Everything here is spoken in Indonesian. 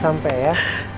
sampai lagi ya